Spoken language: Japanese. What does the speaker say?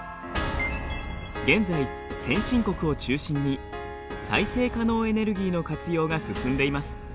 現在先進国を中心に再生可能エネルギーの活用が進んでいます。